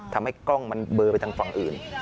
ทำให้กล้องมันเบอร์ไปทางฝั่งอื่น